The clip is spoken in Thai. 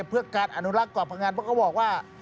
เพื่อการอนุรักษ์กรอบพังงานเพราะเขาบอกว่า